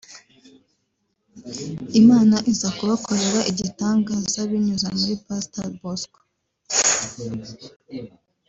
Imana iza kubakorera igitangaza binyuze muri Pastor Bosco